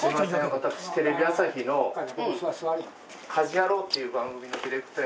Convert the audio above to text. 私テレビ朝日の『家事ヤロウ！！！』っていう番組のディレクターやっております。